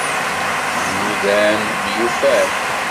Mnudan, myufan.